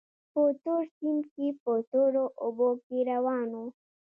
په تور سیند کې په تورو اوبو کې روان وو.